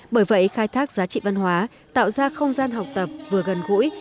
bởi vậy khai thác giá trị văn hóa tạo ra không gian học tập vừa gần gũi